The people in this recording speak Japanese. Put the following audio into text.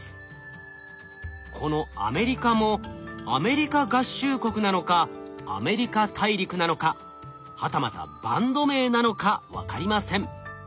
この「アメリカ」もアメリカ合衆国なのかアメリカ大陸なのかはたまたバンド名なのか分かりません。